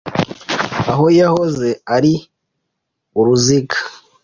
Aho yahoze ari uruziga